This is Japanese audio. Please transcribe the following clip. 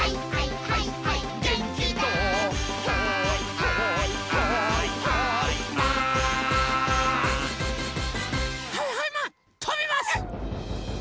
はいはいマンとびます！